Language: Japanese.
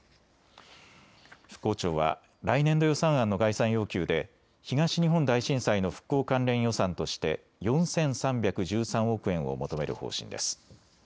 復興庁は来年度予算案の概算要求で東日本大震災の復興関連予算として４３１３億円を求める方針です。